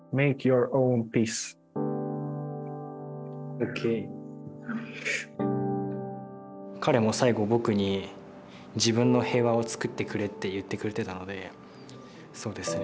ＯＫ．彼も最後僕に「自分の平和を作ってくれ」って言ってくれてたのでそうですね